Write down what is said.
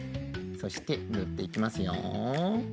そしてぬっていきますよ。